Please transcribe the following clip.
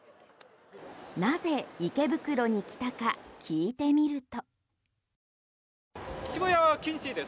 なぜ池袋に来たか聞いてみると。